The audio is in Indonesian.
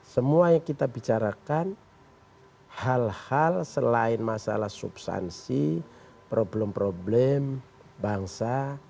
semua yang kita bicarakan hal hal selain masalah substansi problem problem bangsa